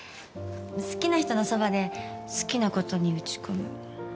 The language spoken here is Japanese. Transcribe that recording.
好きな人のそばで好きなことに打ち込む。